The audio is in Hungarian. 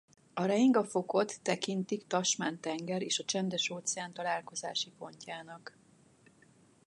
A Reinga-fokot tekintik a Tasman-tenger és a Csendes-óceán találkozási pontjának.